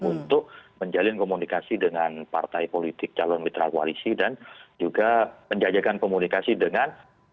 untuk menjalin komunikasi dengan partai politik calon mitra koalisi dan juga menjajakan komunikasi dengan